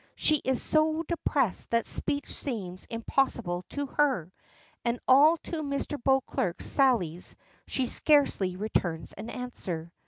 She is so depressed that speech seems impossible to her, and to all Mr. Beauclerk's sallies she scarcely returns an answer.